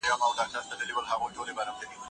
هغه په پوهنتون کي د مشاور په توګه دنده لري.